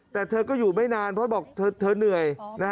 แต่เธอก็อยู่ไม่นานเพราะบอกเธอเหนื่อย